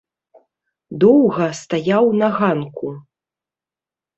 Доўга стаяў на ганку.